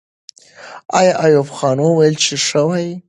آیا ایوب خان وویل چې ښه وایي؟